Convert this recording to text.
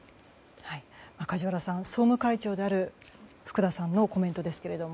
梶原さん、総務会長である福田さんのコメントですが。